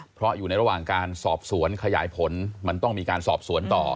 เพราะอยู่ในระหว่างการสอบสวนขยายผลมันต้องมีการสอบสวนต่อ